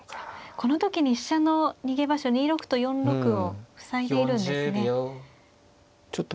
この時に飛車の逃げ場所２六と４六を塞いでいるんですね。